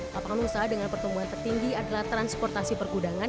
lapangan usaha dengan pertumbuhan tertinggi adalah transportasi pergudangan